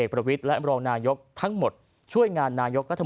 พลเอกเปรยุจจันทร์โอชานายกรัฐมนตรีพลเอกเปรยุจจันทร์โอชานายกรัฐมนตรี